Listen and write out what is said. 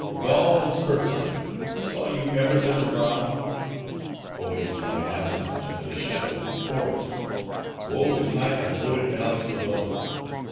Gall and Spurzheim! saw you ever such a brow?—poised like an avalanche, under the shadow of a forest! woe betide the devoted valleys below!